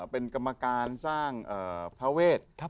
เป็นกรรมการสร้างพระเวท